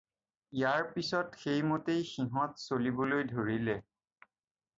ইয়াৰ পিছত সেইমতেই সিহঁত চলিবলৈ ধৰিলে।